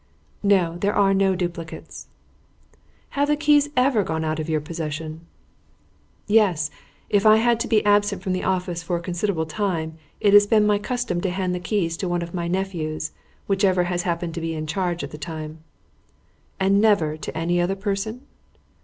"No, there are no duplicates." "Have the keys ever gone out of your possession?" "Yes. If I have had to be absent from the office for a considerable time, it has been my custom to hand the keys to one of my nephews, whichever has happened to be in charge at the time." "And never to any other person?"